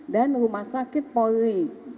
dan rumah sakit poli